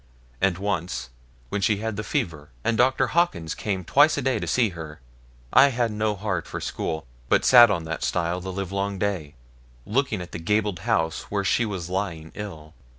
And once, when she had the fever, and Dr. Hawkins came twice a day to see her, I had no heart for school, but sat on that stile the livelong day, looking at the gabled house where she was lying ill.